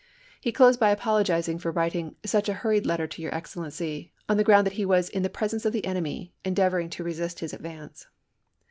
He closed by apologizing for writ ing " such a hurried letter to your Excellency," on the ground that he was "in the presence of the enemy, endeavoring to resist his advance.''